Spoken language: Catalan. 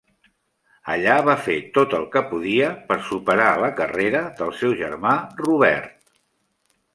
Allà va fer tot el que podia per superar la carrera del seu germà Robert.